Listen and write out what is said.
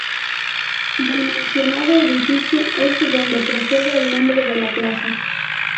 Del mencionado edificio es de donde procede el nombre de la plaza.